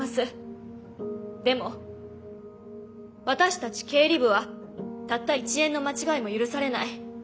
でも私たち経理部はたった１円の間違いも許されない。